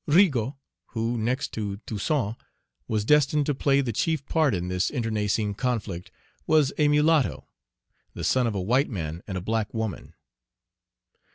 Rigaud, who, next to Toussaint, was destined to play the chief part in this internecine conflict, was a mulatto, the son of a white man and a black woman.